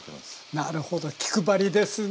なるほど気配りですね。